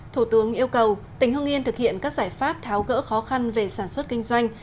thủ tướng yêu cầu tỉnh hưng yên thực hiện các giải pháp tháo gỡ khó khăn về sản xuất kinh doanh